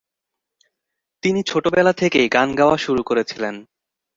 তিনি ছোটবেলা থেকেই গান গাওয়া শুরু করেছিলেন।